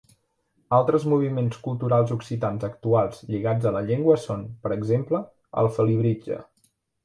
Altres moviments culturals occitans actuals lligats a la llengua són, per exemple, el felibritge.